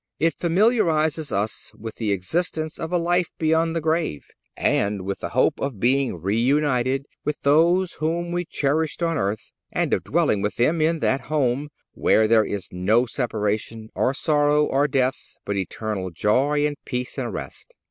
It familiarizes us with the existence of a life beyond the grave, and with the hope of being reunited with those whom we cherished on earth, and of dwelling with them in that home where there is no separation, or sorrow, or death, but eternal joy and peace and rest.